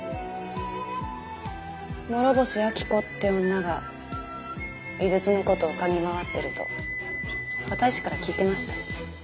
諸星秋子って女が井筒の事を嗅ぎ回っていると片石から聞いてました。